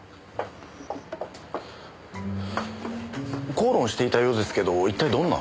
口論していたようですけど一体どんな？